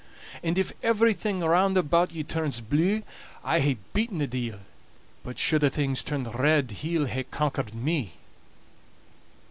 And if everything round about ye turns blue I hae beated the deil; but should a' things turn red he'll hae conquered me."